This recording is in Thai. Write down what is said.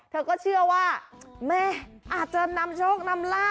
เธอก็เชื่อว่าแม่อาจจะนำโชคนำลาบ